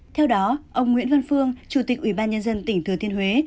theo đó ông nguyễn văn phương chủ tịch ủy ban nhân dân tỉnh thừa thiên huế